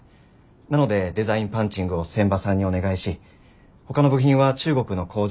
なのでデザインパンチングを仙波さんにお願いしほかの部品は中国の工場に委託しようと考えています。